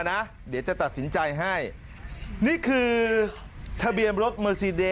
เรียว